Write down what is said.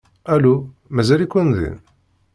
Alu? Mazal-iken din?